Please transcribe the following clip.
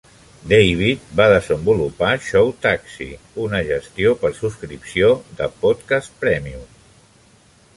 David va desenvolupar ShowTaxi, una gestió per subscripció de podcast prèmium.